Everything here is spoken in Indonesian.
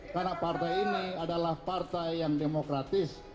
karena partai ini adalah partai yang demokratis